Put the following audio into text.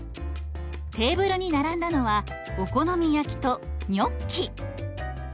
テーブルに並んだのはお好み焼きとニョッキ。